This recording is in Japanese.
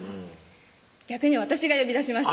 逆に私が呼び出しました